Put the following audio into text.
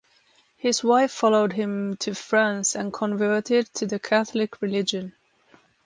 His wife followed him to France and converted to the Catholic religion.